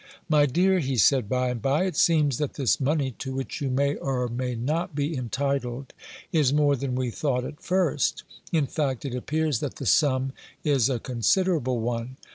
"My dear," he said by and by, "it seems that this money to which you may or may not be entitled is more than we thought at first; in fact, it appears that the sum is a considerable one.